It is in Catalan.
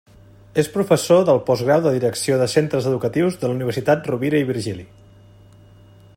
És professor del Postgrau de Direcció de Centres Educatius de la Universitat Rovira i Virgili.